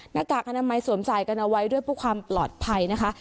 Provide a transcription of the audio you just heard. หน้ากากคณะไม้สวมสายกันเอาไว้ด้วยเพื่อความปลอดภัยนะคะ